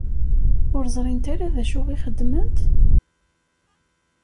Ur ẓrint ara d acu i xedment?